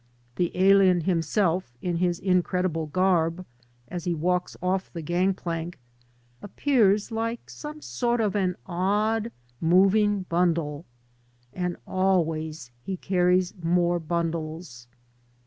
The alien himself, in his incredible garb, as he walks off the gang pluik, appears like some sort of an odd. moving bundle. And always he carries more bundles.